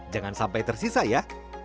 jangan sampai tersisa ya